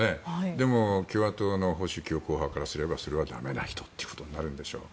でも、共和党の保守強硬派からすればそれは駄目な人ということになるんでしょう。